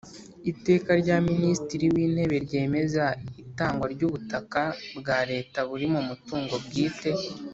Iteka rya Minisitiri w Intebe ryemeza itangwa ry ubutaka bwa Leta buri mu mutungo bwite